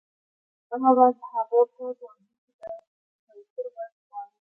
بله ورځ هغه په ټولګي کې د پروفیسور غږ واورېد